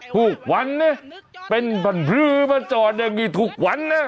ถูกวันนะเป็นบรรพลื้อมาจอดอันนี้ถูกวันนะ